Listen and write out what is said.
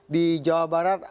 di jawa barat